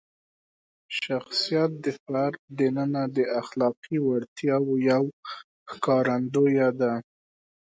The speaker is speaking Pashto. شخصیت د فرد دننه د اخلاقي وړتیاوو یوه ښکارندویي ده.